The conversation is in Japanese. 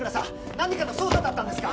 何かの捜査だったんですか？